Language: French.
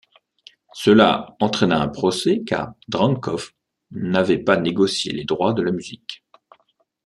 Cela entraîna un procès, car Drankov n'avait pas négocié les droits de la musique.